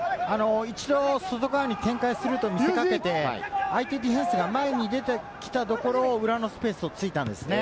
一度、外側に展開すると見せ掛けて、相手が前に出てきたところを裏のスペースを突いたんですね。